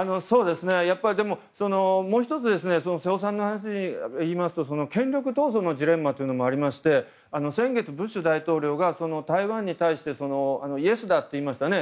もう１つ瀬尾さんの話で言いますと権力闘争のジレンマというものがありまして、先月大統領が台湾に対してイエスと言いましたね。